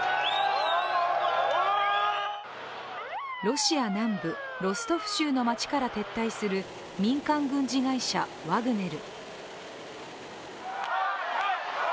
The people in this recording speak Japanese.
ロシア南部ロストフ州の街から撤収する民間軍事会社ワグネル。